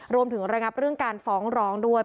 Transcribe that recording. รวมถึงระงับเรื่องการฟ้องรองด้วย